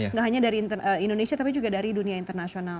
nggak hanya dari indonesia tapi juga dari dunia internasional